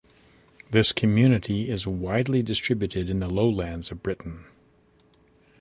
This community is widely distributed in the lowlands of Britain.